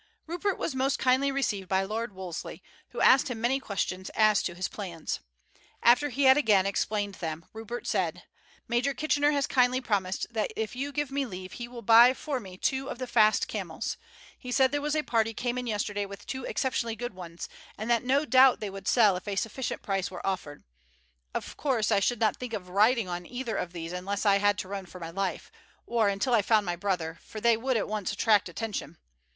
Rupert was most kindly received by Lord Wolseley, who asked him many questions as to his plans. After he had again explained them Rupert said: "Major Kitchener has kindly promised that if you give me leave he will buy for me two of the fast camels. He said there was a party came in yesterday with two exceptionally good ones, and that no doubt they would sell if a sufficient price were offered. Of course I should not think of riding on either of these unless I had to run for my life, or until I found my brother, for they would at once attract attention.